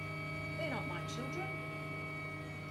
They're not my children.